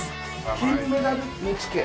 金メダル煮付け。